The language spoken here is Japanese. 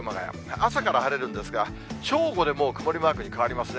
朝から晴れるんですが、正午でもう曇りマークに変わりますね。